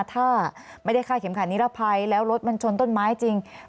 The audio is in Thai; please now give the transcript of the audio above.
ถ้าไม่ได้ฆ่าเข็มขัดนิรภัยแล้วรถมันชนต้นไม้จริง